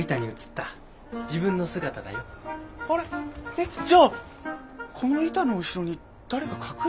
えっじゃあこの板の後ろに誰か隠れてたってこと？